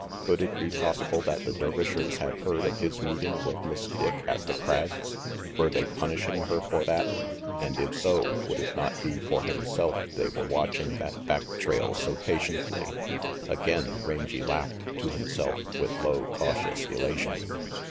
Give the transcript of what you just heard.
Could it be possible that the Der vishers had heard of his meeting with Miss Dick at The Crags? Were they punishing her for that; and if so, would it not be for himself they were watching that back trail so patiently? Again Rangy laughed to himself, with low, cautious elation.